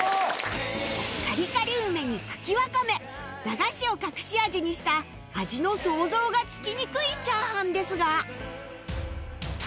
カリカリ梅に茎わかめ駄菓子を隠し味にした味の想像がつきにくい炒飯ですが